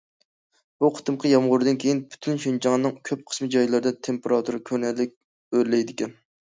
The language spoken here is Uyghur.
بۇ قېتىمقى يامغۇردىن كېيىن، پۈتۈن شىنجاڭنىڭ كۆپ قىسىم جايلىرىدا تېمپېراتۇرا كۆرۈنەرلىك ئۆرلەيدىكەن.